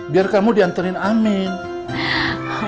biar kamu dianterin amin